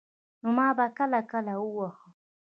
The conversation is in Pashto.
نو ما به کله کله واهه.